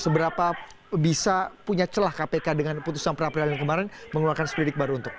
seberapa bisa punya celah kpk dengan putusan perapilan yang kemarin mengeluarkan spedik baru untuk